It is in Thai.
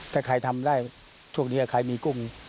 ถ้าใครทำได้ช่วงนี้ใครมีกุ้ง